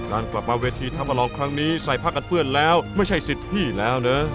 กลับมาเวทีทำอลองครั้งนี้ใส่ผ้ากันเปื้อนแล้วไม่ใช่สิทธิแล้วนะ